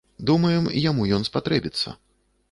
Думаем, яму ён спатрэбіцца.